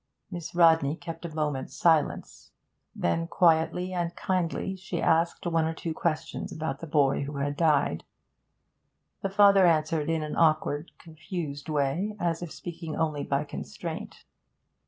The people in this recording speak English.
Miss Rodney kept a moment's silence; then quietly and kindly she asked one or two questions about the boy who had died. The father answered in an awkward, confused way, as if speaking only by constraint.